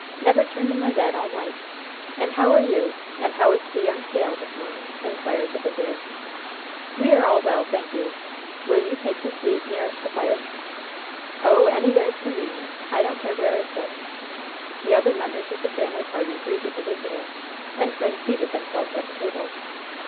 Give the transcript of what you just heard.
Never turned in my bed all night. And how are you? And how is the young gal this morning?" inquired the visitor. "We are all well, thank you. Will you take this seat, nearest the fire?" "Oh, anywheres convenient. I don't care where I sit." The other members of the family party greeted the visitor, and then seated themselves at the table.